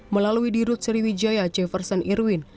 melalui dirut sriwijaya jeverson irwin